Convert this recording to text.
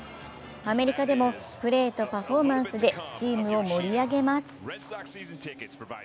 アメリカでもプレーとパフォーマンスでチームを盛り上げます。